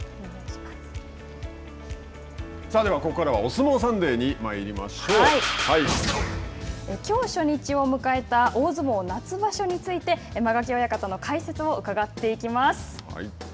さあではここからは「おすもうサンデー」にきょう初日を迎えた大相撲夏場所について間垣親方の解説を伺っていきます。